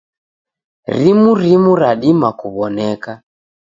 Rimu rimu radima kuw'oneka.